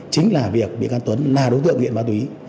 chính là việc bị can tuấn là đối tượng nghiện ma túy